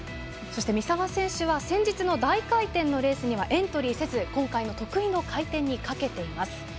そして三澤選手は先日の大回転のレースにはエントリーせず今大会、得意の回転にかけています。